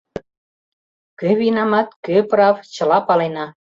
Кӧ винамат, кӧ прав, чыла палена...